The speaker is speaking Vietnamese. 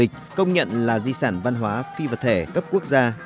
được công nhận là di sản văn hóa phi vật thể cấp quốc gia